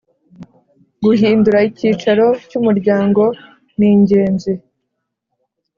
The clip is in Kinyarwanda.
Guhindura icyicaro cy Umuryango ningenzi